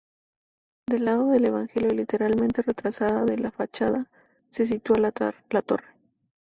Del lado del Evangelio y ligeramente retrasada de la fachada, se sitúa la torre.